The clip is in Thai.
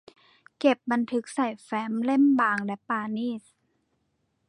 เก็บบันทึกใส่แฟ้มเล่มบางและประณีต